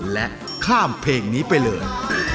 และข้ามเพลงนี้ไปเลย